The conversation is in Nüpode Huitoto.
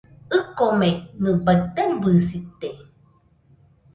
ɨkomei, nɨbaɨ taɨbɨsite.